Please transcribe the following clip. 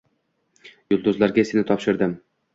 Yulduzlarga seni topshirdim.